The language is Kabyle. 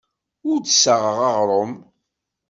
Ur d-ssaɣeɣ aɣrum.